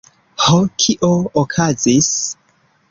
Ho? Kio okazis?